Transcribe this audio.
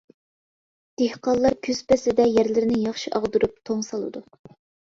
دېھقانلار كۈز پەسلىدە يەرلىرىنى ياخشى ئاغدۇرۇپ توڭ سالىدۇ.